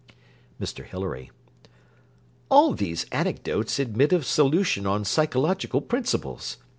MR HILARY All these anecdotes admit of solution on psychological principles.